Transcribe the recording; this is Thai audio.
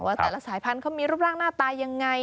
แต่ละสายพันธุ์มีรูปร่างหน้าตายังไง